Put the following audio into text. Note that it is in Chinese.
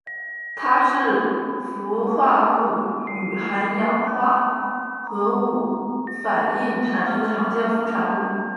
它是氟化氯与含氧化合物反应产生的常见副产物。